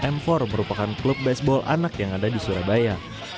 m empat merupakan klub baseball anak yang ada di surabaya